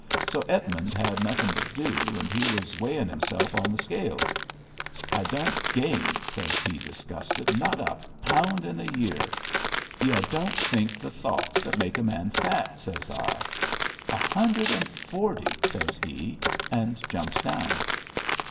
So Edmund had nothin' to do, and he was weighin' himself on the scales. " I don't gain," says he, disgusted. " Not a pound in a year." " Y'u don't think the thoughts that make a man fat," says I. " A hundred and forty," says he, and jumps down.